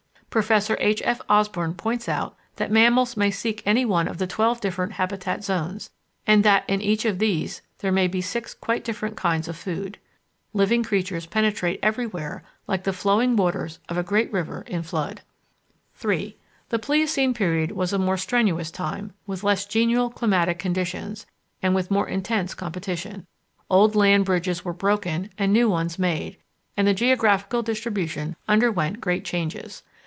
Professor H. F. Osborn points out that mammals may seek any one of the twelve different habitat zones, and that in each of these there may be six quite different kinds of food. Living creatures penetrate everywhere like the overflowing waters of a great river in flood. § 3 The Pliocene period was a more strenuous time, with less genial climatic conditions, and with more intense competition. Old land bridges were broken and new ones made, and the geographical distribution underwent great changes.